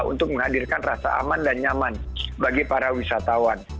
untuk menghadirkan rasa aman dan nyaman bagi para wisatawan